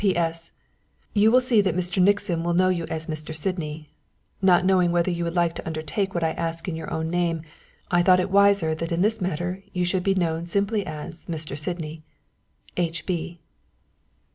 _ "_P.S. You will see that Mr. Nixon will know you as Mr. Sydney. Not knowing whether you would like to undertake what I ask in your own name, I thought it wiser that in this matter you should be known simply as 'Mr. Sydney.'_ "_H. B.